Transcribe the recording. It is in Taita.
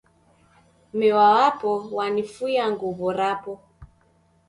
Miwa wapo w'anifuya nguw'o rapo